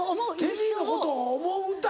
テディのことを思う歌？